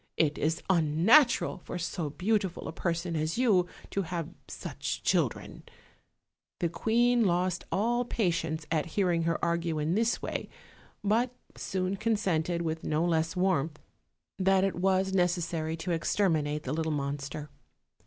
It is unnatural for so beautiful a person as you to have such children." The queen lost all patience at hearing her argue in this way, but soon consented, with no less warmth, that it was necessary to exterminate the little monster.